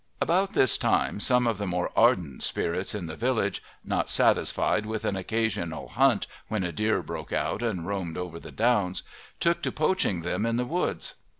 About this time some of the more ardent spirits in the village, not satisfied with an occasional hunt when a deer broke out and roamed over the downs, took to poaching them in the woods.